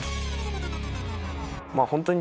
まあホントに。